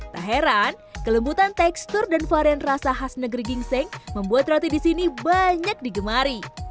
tak heran kelembutan tekstur dan varian rasa khas negeri gingseng membuat roti di sini banyak digemari